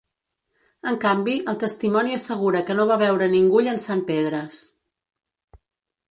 En canvi, el testimoni assegura que no va veure ningú llençant pedres.